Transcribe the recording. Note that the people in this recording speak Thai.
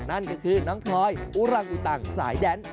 นั่นก็คือน้องพลอยอุรังอุตังสายแดน